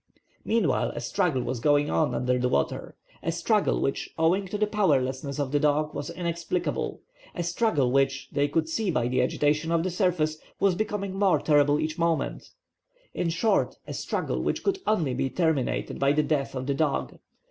Meanwhile a struggle was going on under the water—a struggle which, owing to the powerlessness of the dog, was inexplicable; a struggle which, they could see by the agitation of the surface, was becoming more terrible each moment; in short, a struggle which could only be terminated by the death of the dog.